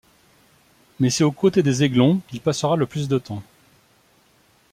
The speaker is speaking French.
Mais c’est aux côtés des Aiglons qu’il passera le plus de temps.